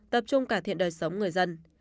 tập trung cải thiện đời sống người dân